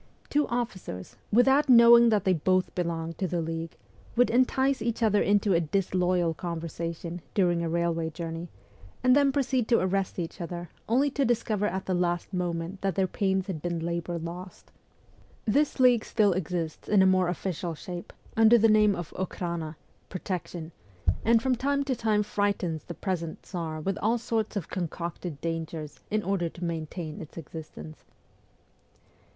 Two officers, without knowing that they both belonged to the league, would entice each other into a disloyal conversation, during a railway journey, and then proceed to arrest each other, only to discover at the last moment that their pains had been labour lost. 246 MEMOIRS OF A REVOLUTIONIST This league still exists in a more official shape, under the name of Okhrana (Protection), and from time to time frightens the present Tsar with all sorts of concocted dangers, in order to maintain its existence.